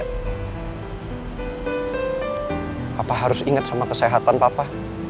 papa harus inget sama kesehatan papa